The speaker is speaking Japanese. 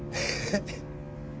えっ？